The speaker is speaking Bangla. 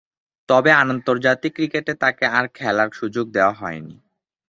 তবে, আন্তর্জাতিক ক্রিকেটে তাকে আর খেলার সুযোগ দেয়া হয়নি।